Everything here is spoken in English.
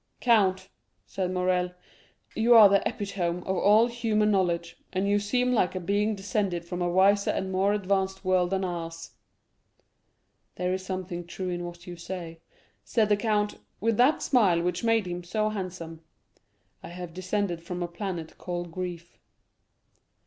"Count," said Morrel, "you are the epitome of all human knowledge, and you seem like a being descended from a wiser and more advanced world than ours." "There is something true in what you say," said the count, with that smile which made him so handsome; "I have descended from a planet called grief."